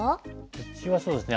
うちはそうですね